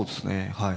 はい。